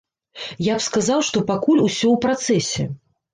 Я б сказаў, што пакуль усё ў працэсе.